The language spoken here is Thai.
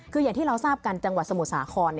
คืออย่างที่เราทราบกันจังหวัดสมุทรสาคร